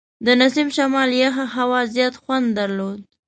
د نسیم شمال یخه هوا زیات خوند درلود.